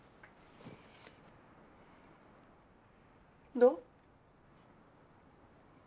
どう？